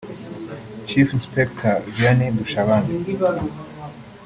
Chief Inspector Vianney Ndushabandi